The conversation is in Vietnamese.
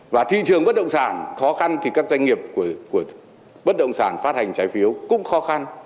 và thị trường bất động sản khó khăn thì các doanh nghiệp của bất động sản phát hành trái phiếu cũng khó khăn